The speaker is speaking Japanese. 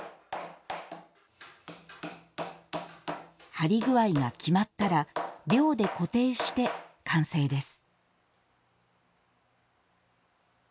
張り具合が決まったらびょうで固定して完成です。